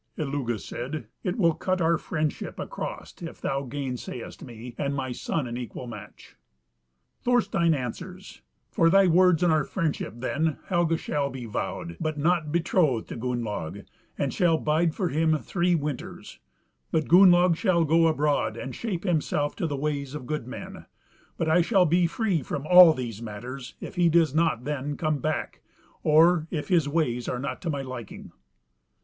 Illugi said, "It will cut our friendship across if thou gainsayest me and my son an equal match." Thorstein answers, "For thy words and our friendship then, Helga shall be vowed, but not betrothed, to Gunnlaug, and shall bide for him three winters: but Gunnlaug shall go abroad and shape himself to the ways of good men; but I shall be free from all these matters if he does not then come back, or if his ways are not to my liking."